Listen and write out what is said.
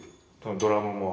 ドラムも。